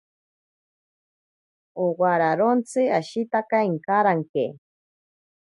Owararontsi ashitaka inkaranke.